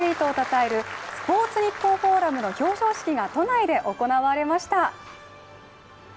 今年活躍したアスリートをたたえるスポーツニッポンフォーラムの表彰式が都内で行われました。